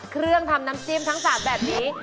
เครื่องทำน้ำจิ้มทั้ง๓แบบนี้